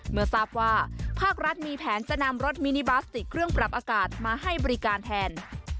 เมื่อทราบว่าภาครัฐมีแผนจะนำรถมินิบลาสติกเครื่องปรับอากาศมาให้บริการแทน